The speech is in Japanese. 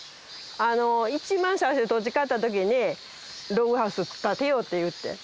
一番最初に土地買った時に「ログハウス建てよう」って言って。